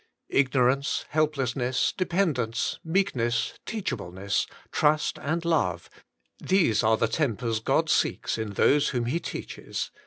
Ignorance, helplessness, de pendence, meekness, teachableness, trust and love — these are the tempers God seeks in those whom He teaches.